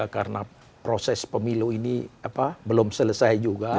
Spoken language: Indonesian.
karena proses pemilu ini belum selesai juga